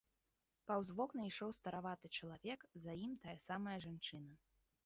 Паўз вокны ішоў стараваты чалавек, за ім тая самая жанчына.